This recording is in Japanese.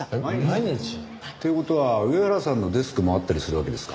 毎日？という事は上原さんのデスクもあったりするわけですか？